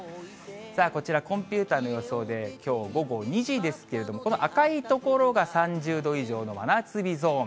こちら、コンピューターの予想で、きょう午後２時ですけれども、この赤い所が３０度以上の真夏日ゾーン。